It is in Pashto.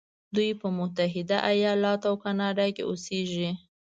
دوی په متحده ایلاتو او کانادا کې اوسیږي.